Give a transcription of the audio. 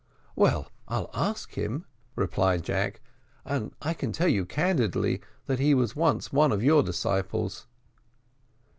"Well, I'll ask him," replied Jack, "and I tell you candidly that he was once one of your disciples.